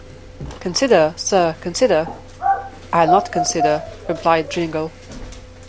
‘Consider, Sir, consider.’ ‘I’ll not consider,’ replied Jingle.